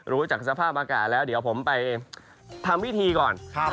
รู้จากสภาพอากาศแล้วเดี๋ยวผมไปทำพิธีก่อน